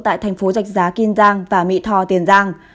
tại thành phố dạch giá kiên giang và mỹ thò tiền giang